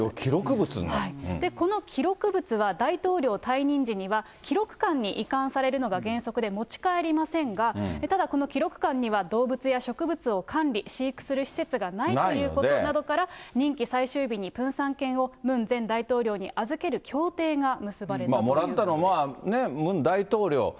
この記録物は大統領退任時には、記録館に移管されるのが原則で、持ち帰りませんが、ただこの記録館には、動物や植物を管理・飼育する施設がないということなどから、任期最終日にプンサン犬を、ムン前大統領に預ける協定が結ばれました。